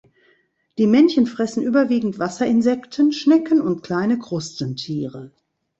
Die Männchen fressen überwiegend Wasserinsekten, Schnecken und kleinere Krustentiere.